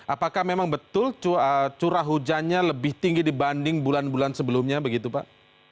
apakah memang betul curah hujannya lebih tinggi dibanding bulan bulan sebelumnya begitu pak